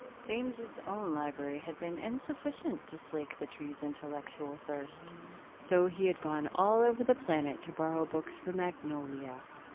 James's own library had been insufficient to slake the tree's intellectual thirst, so he had gone all over the planet to borrow books for Magnolia.